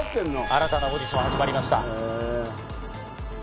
新たなオーディション始まりました。